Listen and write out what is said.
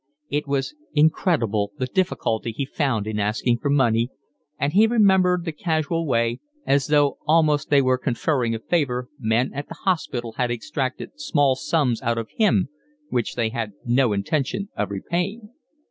It was incredible the difficulty he found in asking for money; and he remembered the casual way, as though almost they were conferring a favour, men at the hospital had extracted small sums out of him which they had no intention of repaying.